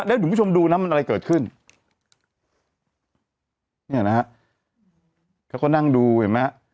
เดี๋ยวคุณผู้ชมดูนะมันอะไรเกิดขึ้นเนี่ยนะฮะเขาก็นั่งดูเห็นไหมฮะ